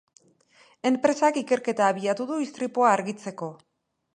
Enpresak ikerketa abiatu du istripua argitzeko.